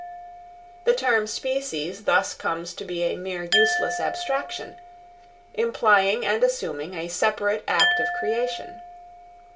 The term species thus comes to be a mere useless abstraction, implying and assuming a separate act of creation.